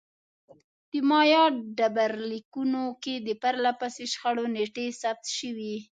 د مایا ډبرلیکونو کې د پرله پسې شخړو نېټې ثبت شوې